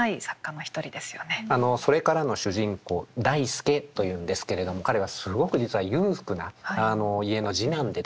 「それから」の主人公代助というんですけれども彼はすごく実は裕福な家の次男でですね